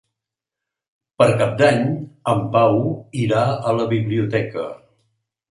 Per Cap d'Any en Pau irà a la biblioteca.